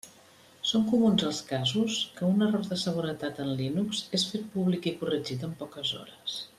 Són comuns els casos que un error de seguretat en Linux és fet públic i corregit en poques hores.